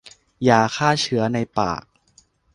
ยาฆ่าเชื้อในปาก